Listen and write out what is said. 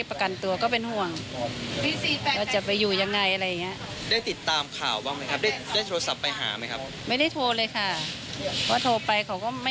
เพราะว่าเมื่อคืนก็ฝวนหัวได้แหละก็เลยนอนก่อน